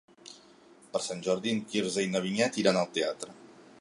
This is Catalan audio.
Per Sant Jordi en Quirze i na Vinyet iran al teatre.